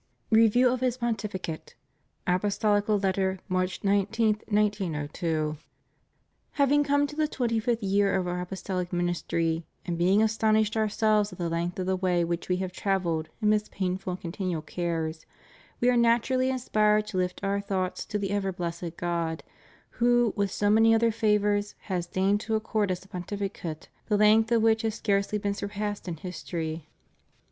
] REVIEW OF HIS PONTIFICATE. Apostolical Letter, March 19, 1902. Having come to the twenty fifth year of Our Apostolic Ministry, and being astonished Ourselves at the length of the way which We have travelled amidst painful and continual cares, We are naturally inspired to lift Our thoughts to the ever blessed God, who, with so many other favors, has deigned to accord Us a Pontificate the length of which has scarcely been surpassed in history.